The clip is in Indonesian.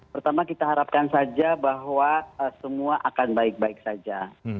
pertama kita harapkan saja bahwa semua akan baik baik saja